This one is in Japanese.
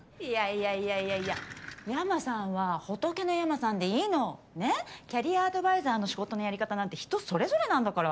いやいやいや山さんは仏の山さんでいいの。ねぇキャリアアドバイザーの仕事のやり方なんて人それぞれなんだから。